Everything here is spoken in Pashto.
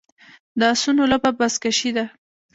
د اسونو لوبه بزکشي ده